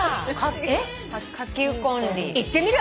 いってみる？